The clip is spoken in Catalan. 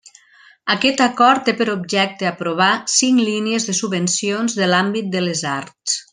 Aquest Acord té per objecte aprovar cinc línies de subvencions de l'àmbit de les arts.